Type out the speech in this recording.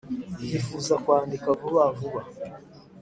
yifuza kwandika vuba vuba